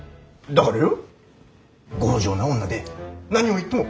だからよ。